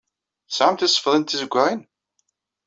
Tesɛam tisefḍin tiẓeɣɣalin?